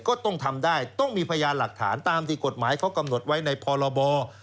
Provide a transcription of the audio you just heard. ก็ต้องทำได้ต้องมีพยานหลักฐานตามที่กฎหมายเขากำหนดไว้ในพรบ